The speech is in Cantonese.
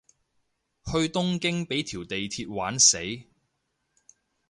去東京畀條地鐵玩死